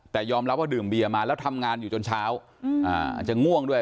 แต่ยอมรับว่าดื่มเบียมาแล้วทำงานอยู่จนเช้าอาจจะง่วงด้วย